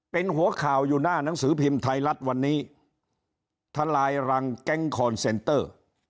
เป็นหัวข่าวอยู่หน้าหนังสือพิมพ์ไทยรัฐวันนี้ทลายรังแก๊งคอนเซนเตอร์